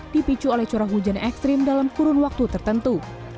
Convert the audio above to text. dipicu oleh curah hujan ekstrim dalam kurun waktu tertentu